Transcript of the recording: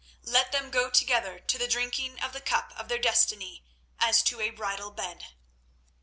Let them go together to the drinking of the cup of their destiny as to a bridal bed."